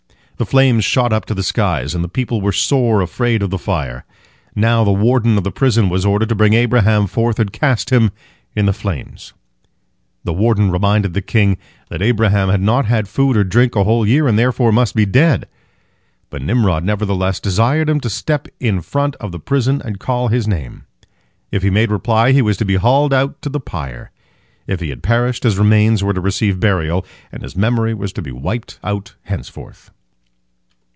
The flames shot up to the skies, and the people were sore afraid of the fire. Now the warden of the prison was ordered to bring Abraham forth and cast him in the flames. The warden reminded the king that Abraham had not had food or drink a whole year, and therefore must be dead, but Nimrod nevertheless desired him to step in front of the prison and call his name. If he made reply, he was to be hauled out to the pyre. If he had perished, his remains were to receive burial, and his memory was to be wiped out henceforth.